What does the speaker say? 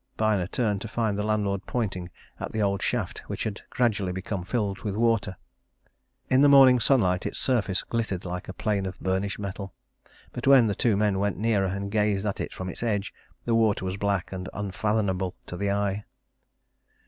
Byner turned to find the landlord pointing at the old shaft which had gradually become filled with water. In the morning sunlight its surface glittered like a plane of burnished metal, but when the two men went nearer and gazed at it from its edge, the water was black and unfathomable to the eye.